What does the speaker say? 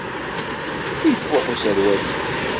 Ifuḥ userwal-ik.